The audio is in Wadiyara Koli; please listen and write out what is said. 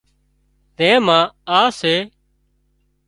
زين مان آ سي سي